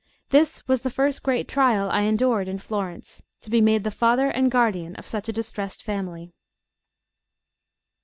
This was the first great trial I endured in Florence, to be made the father and guardian of such a distressed family.